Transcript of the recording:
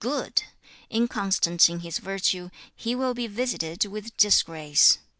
Good! 2. 'Inconstant in his virtue, he will be visited with disgrace.' 羞.